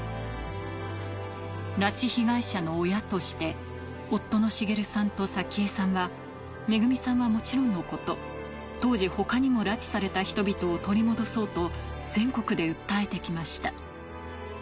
拉致被害者の親として、夫の滋さんと早紀江さんは、めぐみさんはもちろんのこと、当時、ほかにも拉致された人々を取り戻そうと、全国で訴えてきました。